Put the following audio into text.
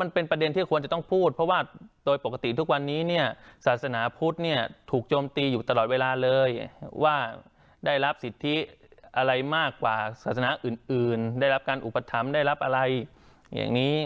มันเป็นประเด็นที่ควรจะต้องพูดเพราะว่าโดยปกติทุกวันนี้เนี่ยศาสนาพุทธเนี่ยถูกโจมตีอยู่ตลอดเวลาเลยว่าได้รับสิทธิอะไรมากกว่าศาสนาอื่นได้รับการอุปถัมภ์ได้รับอะไรอย่างนี้